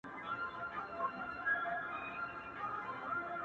o زما مڼه په کار ده، که څه له ولي څخه وي!